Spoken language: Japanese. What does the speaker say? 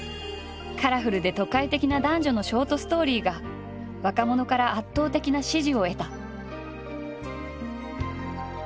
カラフルで都会的な男女のショートストーリーが若者から圧倒的な支持を得た。